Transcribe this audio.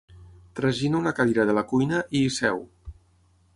Tragina una cadira de la cuina i hi seu.